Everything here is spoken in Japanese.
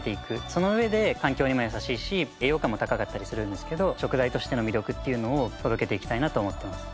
その上で環境にも優しいし栄養価も高かったりするんですけど食材としての魅力っていうのを届けていきたいなと思ってます。